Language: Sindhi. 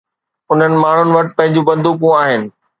انهن ماڻهن وٽ پنهنجون بندوقون آهن